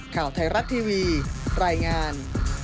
ข่าวไทยรัฐทีวีรายงาน